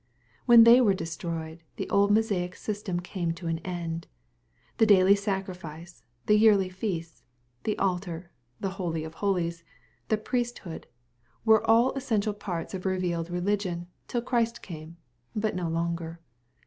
When they were destroyed, the old Mosaic system came to an end. /'The daily sacrifice, the yearly feasts, the altar, the holy of holies, the priesthood, were all essential parts of revealed reli gion, till Christ came, but no longer.